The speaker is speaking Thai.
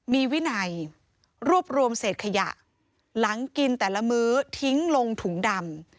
มีวินัยรวบรวมเศษขยะหลังกินแต่ละมื้อทิ้งลงถุงดำ